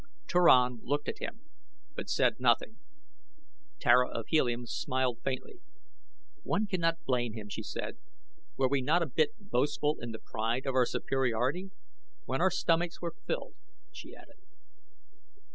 Turan looked at him, but said nothing. Tara of Helium smiled faintly. "One cannot blame him," she said, "were we not a bit boastful in the pride of our superiority? When our stomachs were filled," she added.